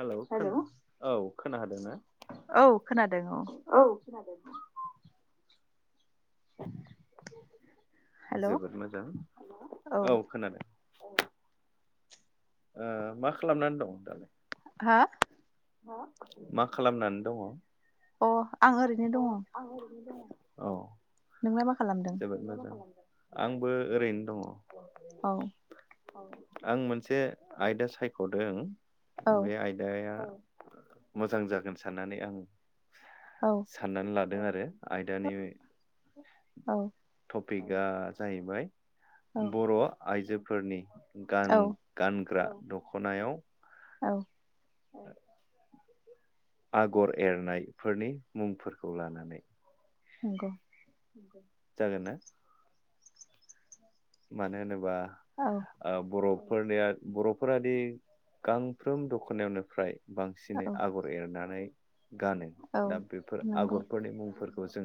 हेल' hello औ खोनादोंना? खोनादों औ खोनादो। जोबोद मोजां हेल' औ खोनादों। अ ओ मा खालामनानै दं दालाय? हा हा मा खालामनानै दङ? अ अ आं ओरैनो दङ। औ नोंलाय माख जोबोद मोजां। आंबो ओरैनो दङ'। औ आं मोनसे आयदा सायख'दों बे आयदाया मोजां जागोन साननानै आं साननानै लाद दों आरो आयदानि टपिकआ जाहैबाय बर' आइजोफ फोरनि गान गानग्रा दख'नायाव औ। आगर एरनायफोरनि मुंफोरखौ लानानै। नंगौ। जागोन ना? मानो होनोबा ओ बर'फ फोरनिया बर'फोरादि गांफ्रोम दख'नायावनो फ्राय बांसिनै आगर एरनानै गानो दा बेफोर आगरफोरनि मुंफोर खौ जों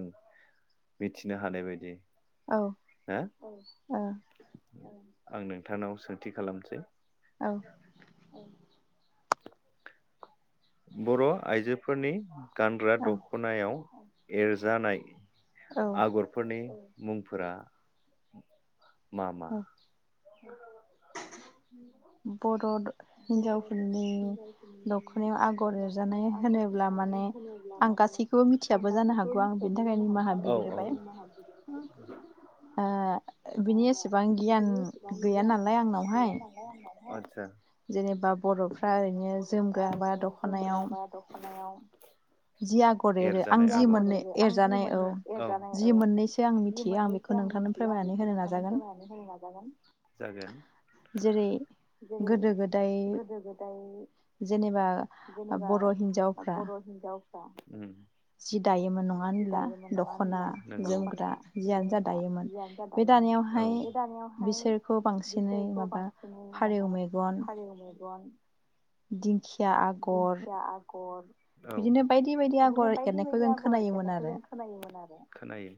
मिथिनो हानाय बायदि। औ ओ। आं नोंथांनाव सोंथि खालामनोसै औ बर' आइजोफोरनि गानग्रा दख'नायाव एरजानाय आगरफोरनि मुंफोरा मा मा? [unintelligible] [unintelligible] हिनजावफोरनि दख'नायाव आगर एरजानाय होनोब्ला माने आं गासैखौबो मिथियाबो जानो हागौ आं बिनि थाखाय निमाहा बिग्रोबाय ओ बिनि एसेबां गियान गैया नाला गैया नालाय आं नाव [unintelligible] सा जेनेबा बर'फ्रा ओरैनो जोमग्रा बा दख'नायाव एरजानाय आगर [inaudible] औ [inaudible] जागोन दाय जेनेबा बर' हिन्जावफ्रा फ्रा, उम जि दायोमोन नङा होनब्ला दख'ना जोमग्रा जियानो जा दायोमोन बे दानायावहाय बिसोरखौ बांसिनै माबा फारौ मेग फारेव मेगन दिंखिया आगर औ बिदिनो बायदि बायदि आगर एरनायखौ जों खोनायोमोन आरो खोनायो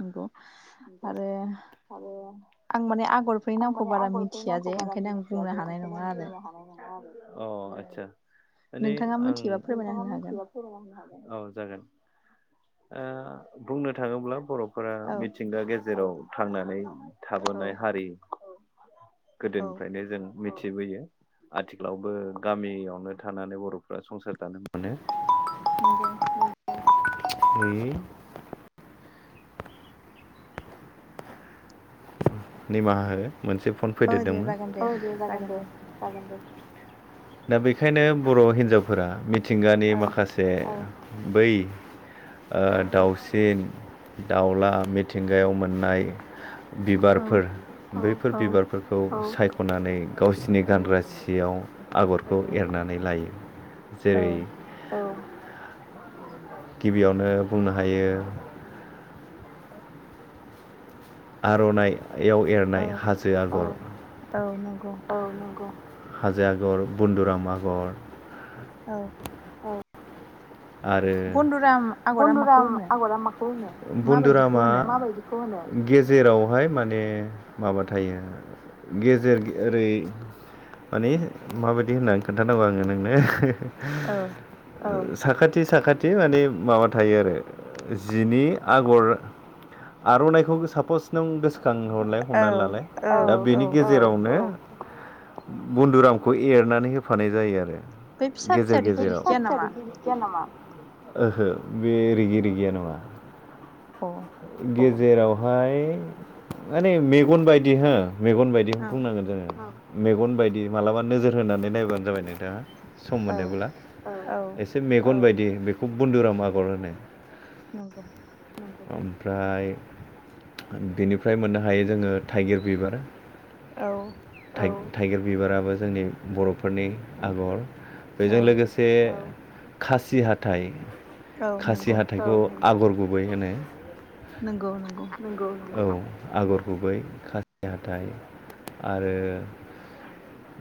नंगौ आरो आं माने आगरफोरनि नामखौ बारा मिथिया जे ओंखायनो आं बुंनो हानाय [unintelligible] अ आतसा माने आं औ जागोन ओ बुंनो थाङोब्ला बर' फोरा मिथिंगा गेजेराव थांनानै थाबोनाय हारि गोदोनिफ्रायनो जों मिथिबोयो आथिखालावबो गामियावनो थानानै बर'फ्रा संसार जानो मोनो। नंगौ [unintelligible] निमाहा हो मोनसे फन फैदेरदोंमोन औ दे जागोन दे जागोन दे दा बेखायनो बर' हिनजावफोरा मि थिंगानि माखासे बै ओ दाउसिन दाउला मिथिंगायाव मोननाय बिबा फोर बैफोर बिबारफोरखौ साइ ख'नानै गावसिनि गानग्रा सियाव आगरखौ एरनानै लायो। जेरै- गिबियावनो बुंनो हायो। आर'नाइ याव एरनाय हाजो आगर औ नंगौ। हाजो आगर, बन्दुराम आगर औ। आरो, बन्दुराम आगरा माखौ होनो? बन्दुरामा, माबायदिखौ होनो? गेजेरावहाय माने माबा थायो गेजेर ओरै माने माबायदि होननानै खोन्थानांगौ आङो नोंनो औ। साखाथ थि साखाथि माने माबा थायो आरो जिनि आगर आर'नाइखौ सापस नों गोसो खांहरलाय हमनानै लालाय दा बेनि गेजेरावनो बन्दुरामखौ एरनानै होफानाय जायो आरो। गेजेर गेजेराव। ओहो बे रिगि रिगिया नङा। गेजे जेरावहाय माने मेगन बायदि हो। मेगन बायदि बुंनांगोन जोङो। मेगन बायदि मालाबा नोजोर होनानै नायबानो जाबाय नोंथाङा। सम मोनोब्ला एसे मेगन बायदि। बेखौ बनदुराम आगर होनो। नंगौ। ओमफ्राय बिनिफ्राय मोननो हायो जोङो थाइगिर बिबार। औ। थाइगिर बिबाराबो जोंनि बर'फोरनि आगर। बेजों लोगोसे खासि हाथाइ। खासि हाथाइखौ आगर गुबै होनो। [inaudible] नोंगौ नोंगौ। औ आगर गुबै, खासि हाथाइ आरो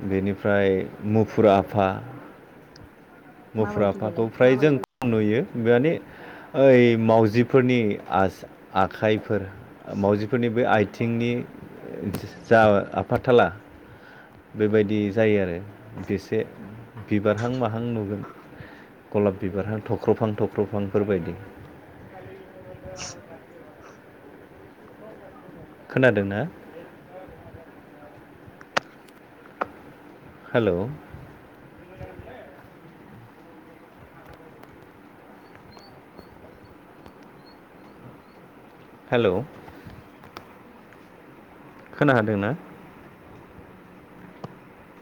बेनिफ्राय मुफुर आफा। मुफुर आफाखौ फ्राय जों नुयो माने ओइ मावजिफोरनि आस आखाइफोर मावजिफोरनि बे आयथिंनि जा आफाथाला बेबायदि जायो आरो। बेसे बिबारहां माहां नुगोन, ग'लाब बिबारहां थख्र'बहां थख्र'बहांफोरबायदि। [inaudible] खोनादोना? हेल'। हेल'। खोनादोना? [inaudible]